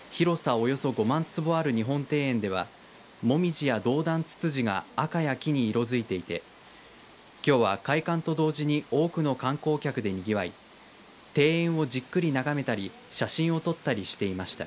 およそ５万坪ある日本庭園ではモミジやドウダンツツジが赤や黄に色づいていてきょうは開館と同時に多くの観光客でにぎわい庭園をじっくり眺めたり写真を撮ったりしていました。